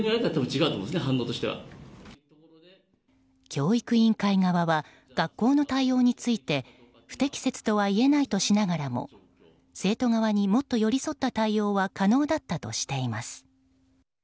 教育委員会側は学校の対応について不適切とは言えないとしながらも生徒側にもっと寄り添った対応は可能だったとしています。